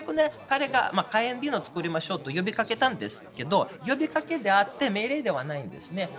彼が火炎瓶を作りましょうと呼びかけたんですけど呼びかけであって命令ではないんですね。